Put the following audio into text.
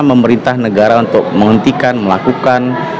memerintah negara untuk menghentikan melakukan